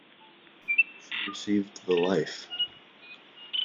She received the Life!